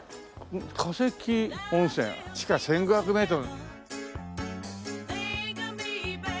「化石温泉地下１５００メートル」。